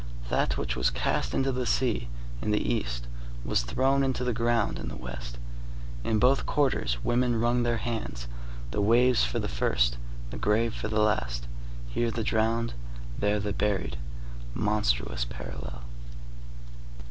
That which was cast into the sea in the East was thrown into the ground in the West. In both quarters, women wrung their hands; the waves for the first, the grave for the last; here the drowned, there the buried. Monstrous parallel.